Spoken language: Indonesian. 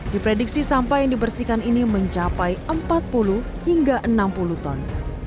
diprediksi sampah yang dibersihkan ini mencapai empat puluh hingga enam puluh ton